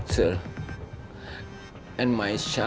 waktunya beliau bersiff dengan watak perempuan syurga ini